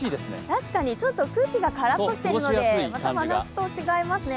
確かにちょっと空気がカラッとしているのでまた真夏と違いますね。